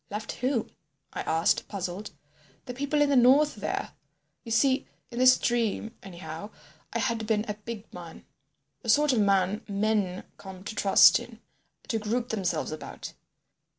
"Left whom?" I asked, puzzled. "The people up in the north there. You see—in this dream, anyhow—I had been a big man, the sort of man men come to trust in, to group themselves about.